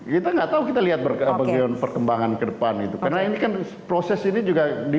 kita nggak tahu kita lihat bagaimana perkembangan ke depan itu karena ini kan proses ini juga di